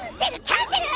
キャンセル！